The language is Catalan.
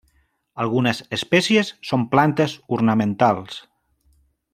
Algunes espècies són plantes ornamentals.